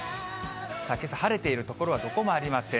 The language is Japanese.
けさ晴れている所はどこもありません。